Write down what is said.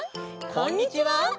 こんにちは！